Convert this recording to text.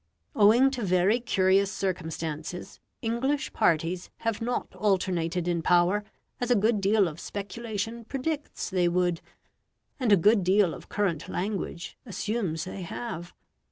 Owing to very curious circumstances English parties have not alternated in power, as a good deal of speculation predicts they would, and a good deal of current language assumes they have.